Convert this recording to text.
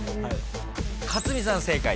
克実さん正解。